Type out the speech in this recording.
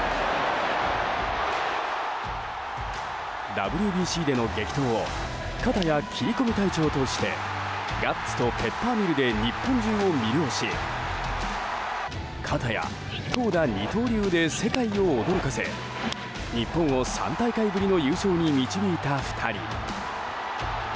ＷＢＣでの激闘をかたや、切り込み隊長としてガッツとペッパーミルで日本中を魅了しかたや投打二刀流で世界を驚かせ日本を３大会ぶりの優勝に導いた２人。